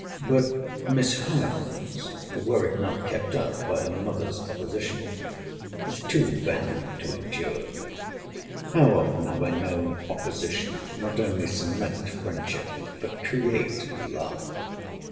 But Miss Howe's, were it not kept up by her mother's opposition, is too vehement to endure. How often have I known opposition not only cement friendship, but create love?